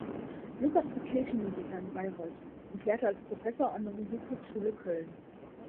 Lukas war Kirchenmusiker in Bayreuth und lehrte als Professor an der Musikhochschule Köln.